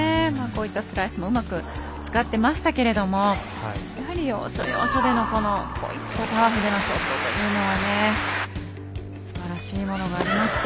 スライスもうまく使っていましたけれどもやはり、要所要所でのパワフルなショットというのはすばらしいものがありました。